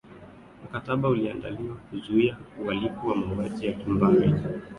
mkataba uliandaliwa kuzuia uhalifu wa mauaji ya kimbari